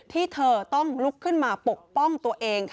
ที่เธอต้องลุกขึ้นมาปกป้องตัวเอง